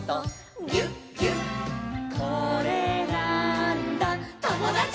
「これなーんだ『ともだち！』」